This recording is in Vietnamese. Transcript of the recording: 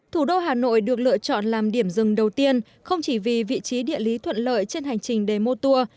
thủ đô hà nội được lựa chọn làm điểm dừng đầu tiên không chỉ vì vị trí địa lý thuận lợi trên hành trình đề mô tour